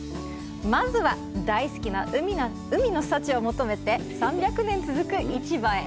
まずは、大好きな海の幸を求めて３００年続く市場へ。